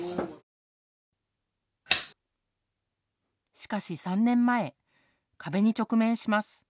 しかし３年前壁に直面します。